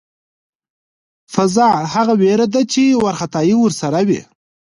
فذع هغه وېره ده چې وارخطایی ورسره وي.